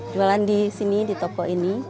jualan di sini di toko ini